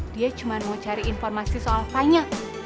dia cuma mau cari informasi soal fine